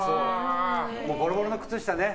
ボロボロの靴下ね。